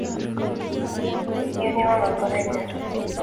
Iuni mama ngoroik karon